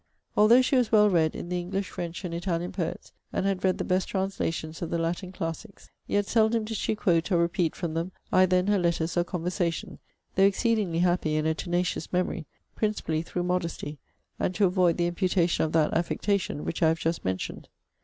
Although she was well read in the English, French, and Italian poets, and had read the best translations of the Latin classics; yet seldom did she quote or repeat from them, either in her letters or conversation, though exceedingly happy in a tenacious memory; principally through modesty, and to avoid the imputation of that affectation which I have just mentioned.